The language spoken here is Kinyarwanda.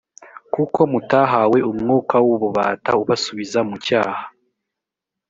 kuko mutahawe umwuka w ububata ubasubiza mu cyaha